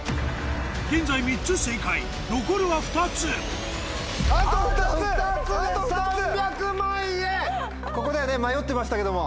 現在３つ正解残るは２つここではね迷ってましたけども。